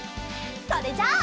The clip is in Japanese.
それじゃあ。